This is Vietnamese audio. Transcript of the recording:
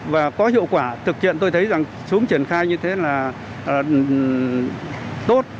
và có hiệu quả thực hiện tôi thấy chúng triển khai như thế là tốt